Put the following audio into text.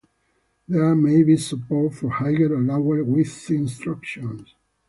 There may be support for higher or lower width instructions.